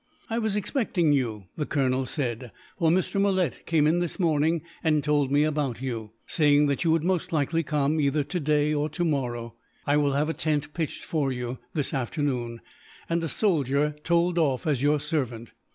"I was expecting you," the colonel said, "for Mr. Malet came in this morning and told me about you; saying that you would most likely come either today or tomorrow. I will have a tent pitched for you, this afternoon; and a soldier told off as your servant.